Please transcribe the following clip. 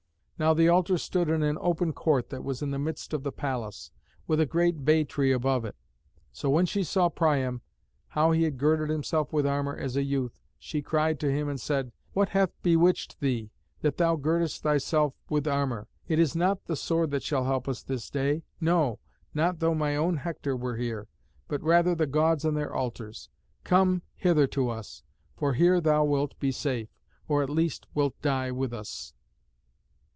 Now the altar stood in an open court that was in the midst of the palace, with a great bay tree above it. So when she saw Priam, how he had girded himself with armour as a youth, she cried to him and said, "What hath bewitched thee, that thou girdest thyself with armour? It is not the sword that shall help us this day; no, not though my own Hector were here, but rather the Gods and their altars. Come hither to us, for here thou wilt be safe, or at the least wilt die with us."